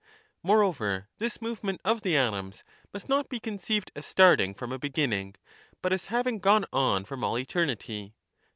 Moreover, this movement of the _ atoms must not be conceived as starting froni a be , but as having gone on from all eternity.